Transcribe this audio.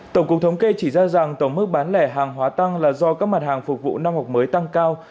tổng cục thống kê chỉ ra rằng tổng mức bán lẻ hàng hóa tăng là do các mặt hàng phục vụ năm học mới tăng cao